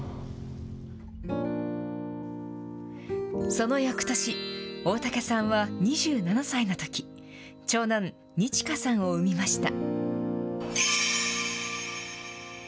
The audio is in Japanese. そのよくとし、大竹さんは、２７歳のとき、長男、二千翔さんを産みました。